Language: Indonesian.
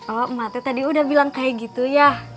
oh emak tuh tadi udah bilang kayak gitu ya